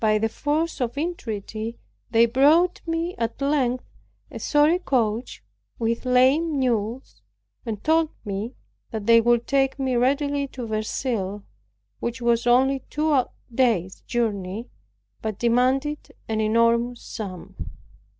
By the force of entreaty, they brought me at length a sorry coach with lame mules, and told me that they would take me readily to Verceil, which was only two days journey, but demanded an enormous sum.